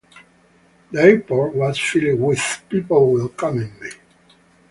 The airport was filled with people welcoming me.